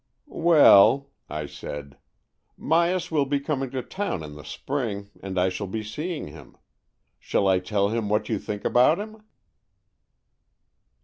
" Well," I said, " Myas will be coming to town in the spring, and I shall be seeing him. Shall I tell him what you think about him?